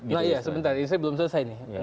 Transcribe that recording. nah iya sebentar ini saya belum selesai nih